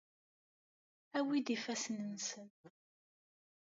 Awi-d ifassen-nsen.